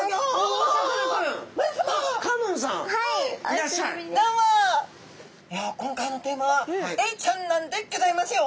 いや今回のテーマはエイちゃんなんでギョざいますよ。